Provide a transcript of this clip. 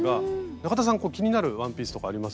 中田さん気になるワンピースとかあります？